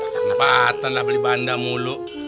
sempatan lah beli bandang mulu